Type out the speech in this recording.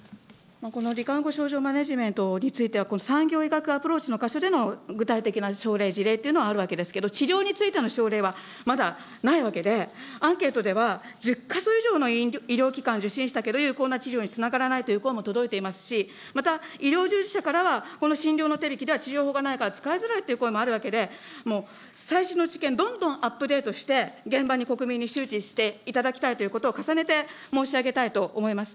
このり患後症状マネジメントについては、産業医学アプローチでの箇所での具体的な症例、事例っていうのはあるわけですけど、治療についての症例はまだないわけで、アンケートでは、１０か所以上の医療機関に受診したけど、有効な治療につながらないという声も届いていますし、また、医療従事者からは、この診療の手引では治療の方法がないから、使いづらいという声もあるわけで、最新の知見、どんどんアップデートして、現場に国民に周知していただきたいということを重ねて申し上げたいと思います。